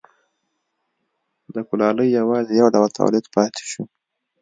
د کولالۍ یوازې یو ډول تولید پاتې شو.